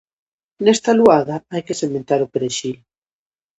Nesta luada hai que sementar o perexil.